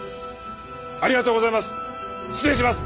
ありがとうございます！